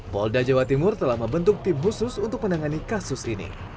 polda jawa timur telah membentuk tim khusus untuk menangani kasus ini